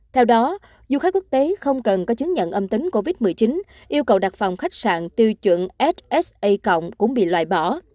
theo đó du khách quốc tế không cần có chứng nhận âm tính covid một mươi chín yêu cầu đặt phòng khách sạn tiêu chuẩn ssa cũng bị loại bỏ